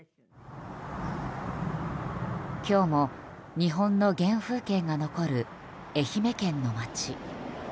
今日も日本の原風景が残る愛媛県の街。